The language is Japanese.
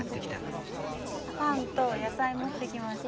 パンと野菜持ってきました。